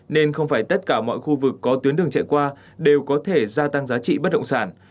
nên không phải tất cả mọi khu vực có tuyến đường chạy qua đều có thể gia tăng giá trị bất động sản